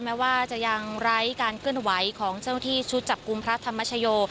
แม้ว่าจะยังไร้การเคลื่อนไหวของเจ้าที่ชุดจับกลุ่มพระธรรมชโย